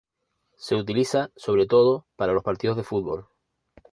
Se utiliza sobre todo para los partidos de fútbol.